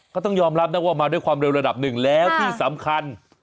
ก็ต้องยอมรับนะว่ามาด้วยความเร็วระดับหนึ่งแล้วที่สำคัญ